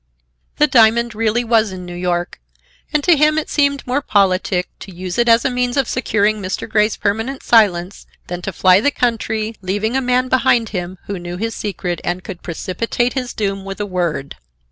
The diamond really was in New York, and to him it seemed more politic to use it as a means of securing Mr. Grey's permanent silence than to fly the country, leaving a man behind him who knew his secret and could precipitate his doom with a word.